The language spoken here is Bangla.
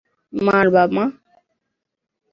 মার, মামা।